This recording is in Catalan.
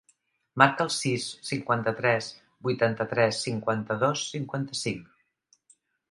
Marca el sis, cinquanta-tres, vuitanta-tres, cinquanta-dos, cinquanta-cinc.